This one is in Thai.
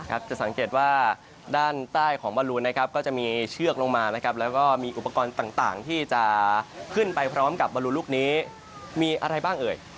จะสังเกตว่าด้านใต้ของบอลลูนนะครับก็จะมีเชือกลงมานะครับแล้วก็มีอุปกรณ์ต่างที่จะขึ้นไปพร้อมกับบอลลูลูกนี้มีอะไรบ้างเอ่ย